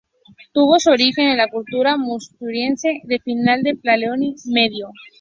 Tuvo su origen en la cultura Musteriense de finales del Paleolítico Medio.